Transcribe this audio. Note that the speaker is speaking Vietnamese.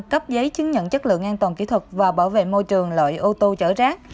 cấp giấy chứng nhận chất lượng an toàn kỹ thuật và bảo vệ môi trường loại ô tô chở rác